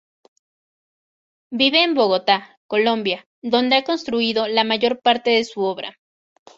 Vive en Bogotá, Colombia, donde ha construido la mayor parte de su obra.